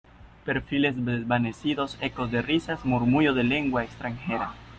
perfiles desvanecidos, ecos de risas , murmullo de lenguas extranjeras